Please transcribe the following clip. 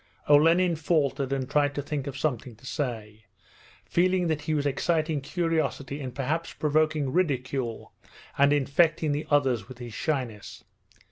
Olenin faltered, and tried to think of something to say, feeling that he was exciting curiosity and perhaps provoking ridicule and infecting the others with his shyness.